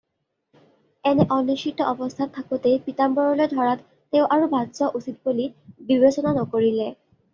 এনে অনিশ্চিত অৱস্থাত থাকোঁতেই পীতাম্বৰলৈ ধৰাত তেওঁ আৰু বাট চোৱা উচিত বুলি বিবেচনা নকৰিলে।